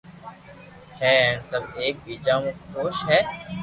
ھي ھين سب ايڪ ٻيجا مون خوݾ ھي